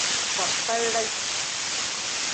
Babban rashi!